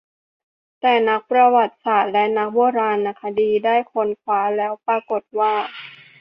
แต่นักประวัติศาสตร์และนักโบราณคดีได้ค้นคว้าแล้วปรากฏว่า